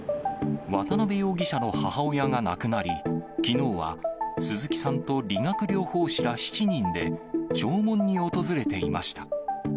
渡辺容疑者の母親が亡くなり、きのうは鈴木さんと理学療法士ら７人で弔問に訪れていました。